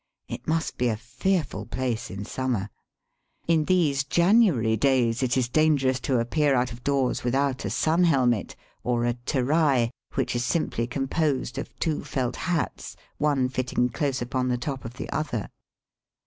It must be a fearful place in summer* In these January days it is dangerous to appear out of doors without a sun helmet or a teraiy which is simply composed of two felt hats, one fitting close upon the top of the other.